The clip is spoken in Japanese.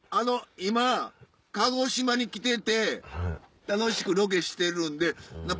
今鹿児島に来てて楽しくロケしてるんで。